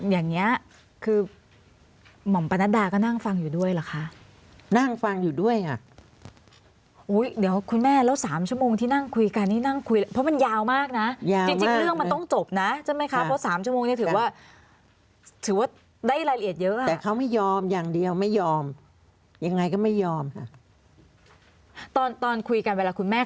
อย่างนี้คือหม่อมปนัดดาก็นั่งฟังอยู่ด้วยเหรอคะนั่งฟังอยู่ด้วยอ่ะอุ้ยเดี๋ยวคุณแม่แล้ว๓ชั่วโมงที่นั่งคุยกันนี่นั่งคุยเพราะมันยาวมากนะจริงเรื่องมันต้องจบนะใช่ไหมคะเพราะ๓ชั่วโมงนี้ถือว่าถือว่าได้ละเอียดเยอะแต่เขาไม่ยอมอย่างเดียวไม่ยอมยังไงก็ไม่ยอมค่ะตอนตอนคุยกันเวลาคุณแม่